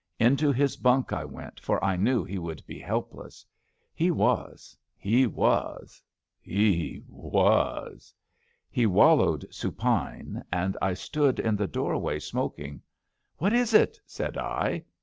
Into his bunk I went, for I knew he would be helpless. He was — ^hewas — ^hewas. He wallowed supine, and I stood in the doorway smok ing. ^^ What is it! ''said I.